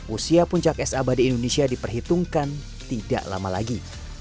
usia puncak es abadi indonesia diperhitungkan tidak lama lagi